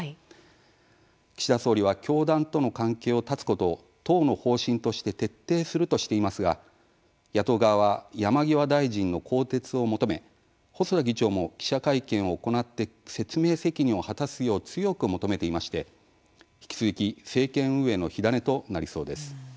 岸田総理は、教団との関係を断つことを党の方針として徹底する、としていますが野党側は山際大臣の更迭を求め細田議長も記者会見を行って説明責任を果たすよう強く求めていまして、引き続き政権運営の火種となりそうです。